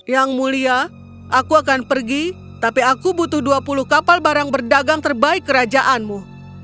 yang mulia aku akan pergi tapi aku butuh dua puluh kapal barang berdagang terbaik kerajaanmu